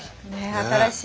新しい。